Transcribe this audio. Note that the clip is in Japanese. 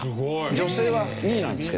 女性は２位なんですけどね。